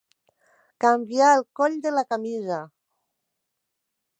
Canviar el coll de la camisa.